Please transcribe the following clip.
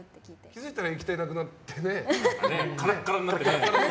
気づいたら液体なくなってねカラッカラになって。